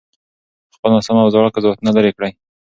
خپل ناسم او زاړه قضاوتونه لرې کړئ.